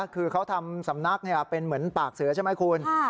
คือเขาทำสำนักศักดิ์เนี้ยเป็นเหมือนปากเสือใช่ไหมคุณอ่า